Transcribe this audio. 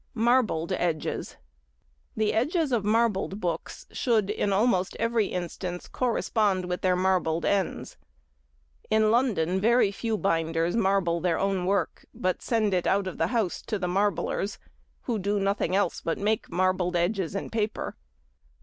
Marbled Edges.—The edges of marbled books should in almost every instance correspond with their marbled ends. In London very few binders marble their own work, but send it out of the house to the Marblers, who do nothing else but make marbled edges and paper.